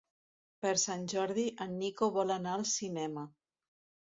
Per Sant Jordi en Nico vol anar al cinema.